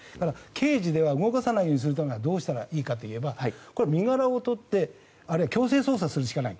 刑事では動かさないようにするためにはどうしたらいいかといえば身柄をとってあるいは強制捜査するしかない。